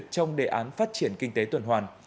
trong đề án phát triển kinh tế tuần hoàn